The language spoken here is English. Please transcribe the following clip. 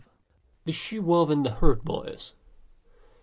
THE SHE WOLF AND THE HERD BOYS.